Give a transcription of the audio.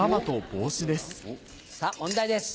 さぁ問題です。